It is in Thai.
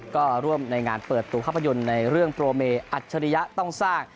ก็ร่วมในงานเปิดตัวภาพยนตร์ในเรื่องโปรเมอัจฉริยะต้องสร้าง